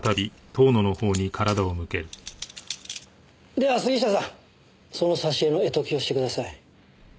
では杉下さんその挿絵の絵解きをしてください。